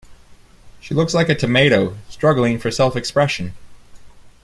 She looked like a tomato struggling for self-expression.